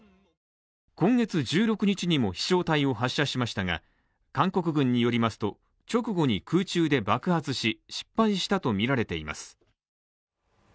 今月１６日にも飛しょう体を発射しましたが韓国軍によりますと、直後に空中で爆発し失敗したとみられています。